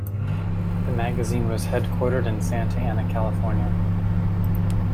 The magazine was headquartered in Santa Ana, California.